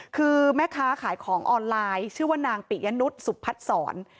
คือแม่ค้าขายของออนไลน์ชื่อว่านางปิยนุษย์สุพัฒนศร